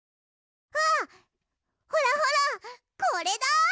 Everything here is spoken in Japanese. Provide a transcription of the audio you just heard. あほらほらこれだ！